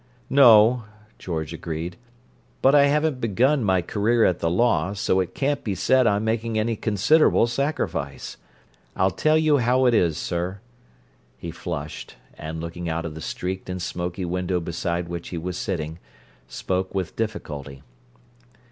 "No," George agreed. "But I haven't begun my 'career at the law' so it can't be said I'm making any considerable sacrifice. I'll tell you how it is, sir." He flushed, and, looking out of the streaked and smoky window beside which he was sitting, spoke with difficulty.